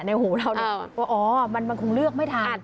ในหัวเราอ๋อมันคงเลือกไม่ทัก